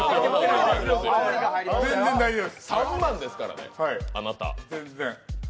３万ですからね、あなた。